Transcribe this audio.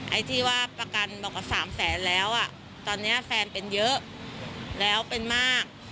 ไอ้ที่ว่าประกันบอกว่า๓แสนแล้วอ่ะตอนนี้แฟนเป็นเยอะแล้วเป็นมาก